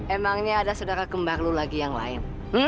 emangnya ada sedara kembar lu lagi yang lain